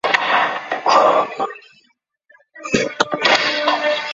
瓦利堡是一个位于美国乔治亚州皮奇县的城市。